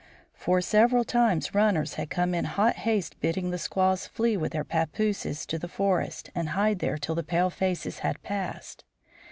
For, several times runners had come in hot haste bidding the squaws flee with their pappooses to the forest and hide there till the palefaces had passed.